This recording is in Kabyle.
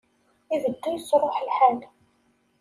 Ibeddu ittṛuḥ lḥal.